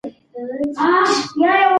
هر څوک باید خپل ټولنیز مسؤلیت ادا کړي.